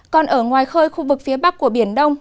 còn ở ngoài khơi khu vực phía bắc của biển đông